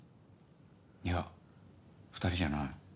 いや２人じゃない。